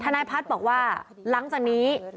นายพัฒน์บอกว่าหลังจากนี้